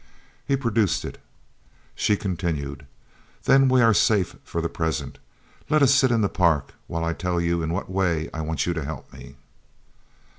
He produced it. She continued: "Then we are safe for the present. Let us sit in the Park while I tell you in what way I want you to help me."